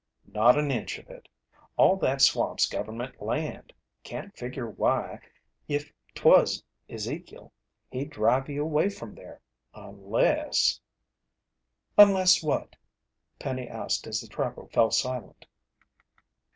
"Not an inch of it all that swamp's government land. Can't figure why, if 'twas Ezekiel, he'd drive you away from there. Unless " "Unless what?" Penny asked as the trapper fell silent.